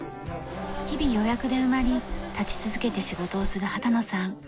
日々予約で埋まり立ち続けて仕事をする畑野さん。